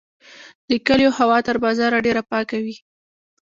د کلیو هوا تر بازار ډیره پاکه وي.